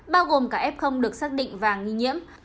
bao gồm cả f được xác định và nghi nhiễm